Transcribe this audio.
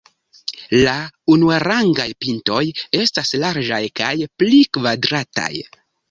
La unuarangaj pintoj estas larĝaj kaj pli kvadrataj.